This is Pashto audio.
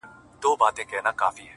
لا هغه سوټک ته څڼي غور ځومه-